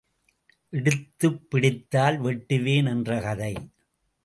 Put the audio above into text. எடுத்துப் பிடித்தால் வெட்டுவேன் என்ற கதை.